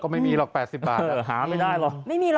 ก็ไม่มีหรอก๘๐บาท